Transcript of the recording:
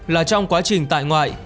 là trong quá trình tại ngoại